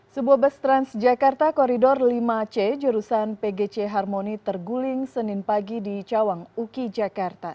sebuah bus transjakarta koridor lima c jurusan pgc harmoni terguling senin pagi di cawang uki jakarta